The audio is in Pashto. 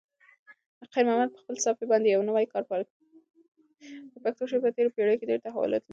د پښتو شعر په تېرو پېړیو کې ډېر تحولات لیدلي دي.